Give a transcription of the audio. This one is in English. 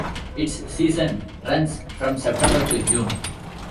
Its season runs from September to June.